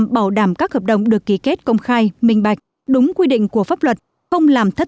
bảo đảm các hợp đồng được ký kết công khai minh bạch đúng quy định của pháp luật không làm thất